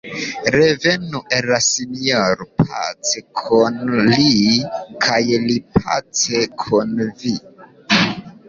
Revenu al la Sinjoro pace kun Li, kaj Li pace kun vi.